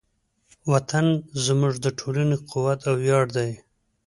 وطن زموږ د ټولنې قوت او ویاړ دی.